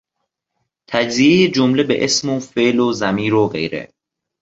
تجزیهی جمله به اسم و فعل و ضمیر و غیره